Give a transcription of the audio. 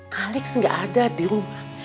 kalix gak ada dirumah